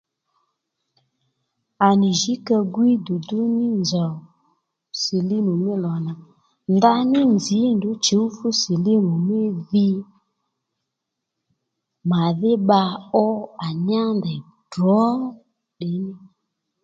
À nì jǐ ka gwíy dùdú ní nzòw sìlímù mí lò nà ndaní nzǐ ndrǔ chǔw fú sìlímù mí dhi màdhí bba ó à nyá ndèy drǒ ddiy